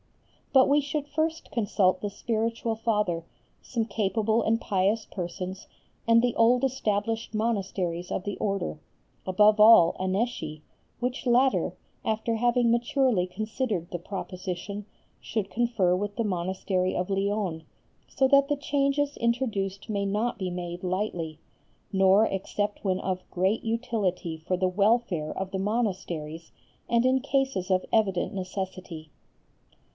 But we should first consult the Spiritual Father, some capable and pious persons, and the old established monasteries of the Order, above all Annecy, which latter, after having maturely considered the proposition, should confer with the monastery of Lyons, so that the changes introduced may not be made lightly, nor except when of great utility for the welfare of the monasteries and in cases of evident necessity.